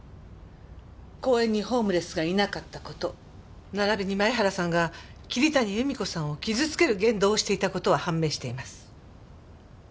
公園にホームレスがいなかった事並びに前原さんが桐谷祐美子さんを傷つける言動をしていた事は判明しています。